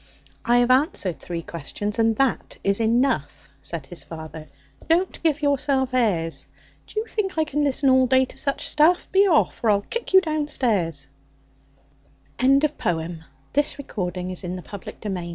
"I have answered three questions, and that is enough," Said his father. "Don't give yourself airs! Do you think I can listen all day to such stuff? Be off, or I'll kick you down stairs. Lewis Carroll Speak roughly to your little boy...